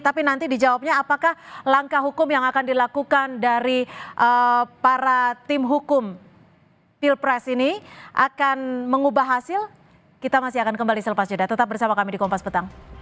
tapi nanti dijawabnya apakah langkah hukum yang akan dilakukan dari para tim hukum pilpres ini akan mengubah hasil kita masih akan kembali selepas jeda tetap bersama kami di kompas petang